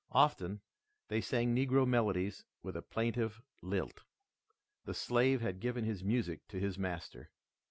Often they sang negro melodies with a plaintive lilt. The slave had given his music to his master.